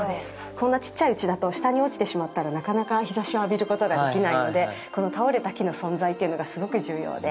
こんなちっちゃいうちだと下に落ちてしまったらなかなか日差しを浴びることができないのでこの倒れた木の存在というのがすごく重要で。